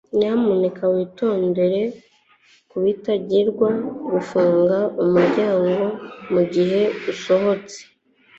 nyamuneka witondere kutibagirwa gufunga umuryango mugihe usohotse